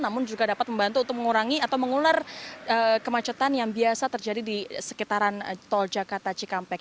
namun juga dapat membantu untuk mengurangi atau mengular kemacetan yang biasa terjadi di sekitaran tol jakarta cikampek